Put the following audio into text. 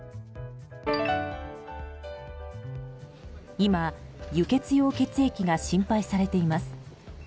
今、輸血用血液が心配されています。